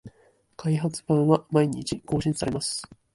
開発版は毎日更新されます